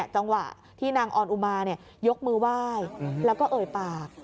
จังหวะที่นางออนอุมายกมือไหว้แล้วก็เอ่ยปาก